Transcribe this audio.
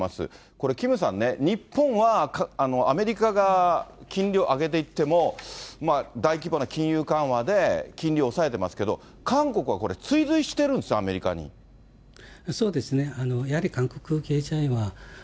これ、キムさんね、日本はアメリカが金利を上げていっても、大規模な金融緩和で金利を抑えてますけど、韓国はこれ、追随してそうですね。